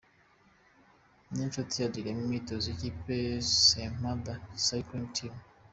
Niyonshuti Adrien mu myitozo y’ikipe ya Sampada Cycling Team.